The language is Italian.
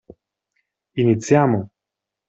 Iniziamo!